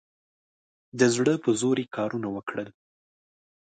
د زړه په زور یې کارونه وکړل.